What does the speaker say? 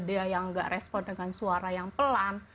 dia yang nggak respon dengan suara yang pelan